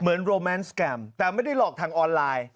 เหมือนโรแมนส์แกมแต่ไม่ได้หลอกทางออนไลน์